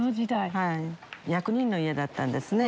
役人の家だったんですね。